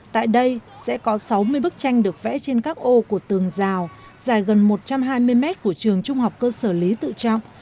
tại đây sẽ có sáu mươi bức tranh được vẽ trên các ô của tường rào dài gần một trăm hai mươi mét của trường trung học cơ sở lý tự trọng